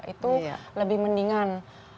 itu lebih mendingan